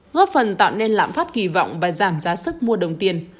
góp phần tạo nên lãm phát kỳ vọng và giảm giá sức mua đồng tiền